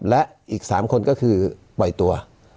และอีก๓คนก็คือปล่อยตัว